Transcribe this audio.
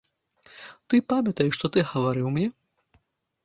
Ты памятаеш, што ты гаварыў мне?